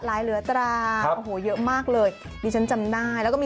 ข้างบัวแห่งสันยินดีต้อนรับทุกท่านนะครับ